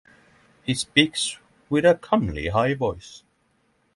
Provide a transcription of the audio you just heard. He speaks with a comely high voice.